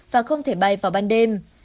và không thể bay vào ban đêm